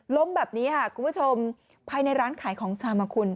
แบบนี้ค่ะคุณผู้ชมภายในร้านขายของชำอ่ะคุณ